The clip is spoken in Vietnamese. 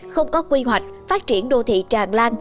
không có quy hoạch phát triển đô thị tràn lan